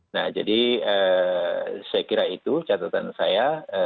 nah jadi saya kira itu catatan saya